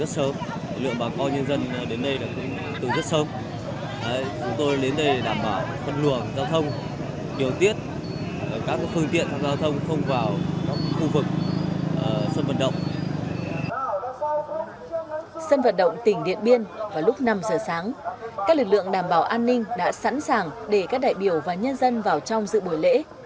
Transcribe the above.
sân vật động tỉnh điện biên vào lúc năm giờ sáng các lực lượng đảm bảo an ninh đã sẵn sàng để các đại biểu và nhân dân vào trong dự buổi lễ